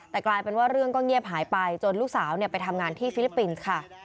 แต่กลายเป็นว่าเรื่องก็เงียบหายไปจนลูกสาวไปทำงานที่ฟิลิปปินส์ค่ะ